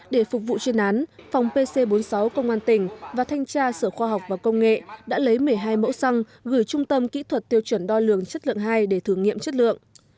để phục vụ chuyên án phòng pc bốn mươi sáu công an tỉnh và thanh tra sở khoa học và công nghệ đã lấy một mươi hai mẫu xăng gửi trung tâm kỹ thuật tiêu chuẩn đo lường chất lượng hai để thử nghiệm chất lượng